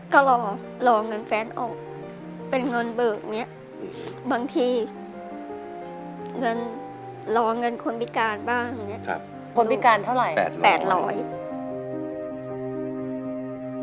ก็รอเงินแฟนออกเป็นเงินเบิกบางทีรอเงินคนพิการบ้าง